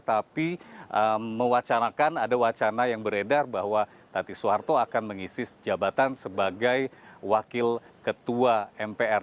tapi mewacanakan ada wacana yang beredar bahwa tati soeharto akan mengisi jabatan sebagai wakil ketua mpr